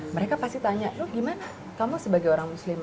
mereka pasti tanya lu gimana kamu sebagai orang muslim